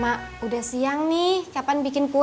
mak udah siang nih kapan bikin kue